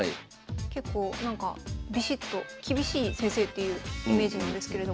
結構なんかビシッと厳しい先生っていうイメージなんですけれども。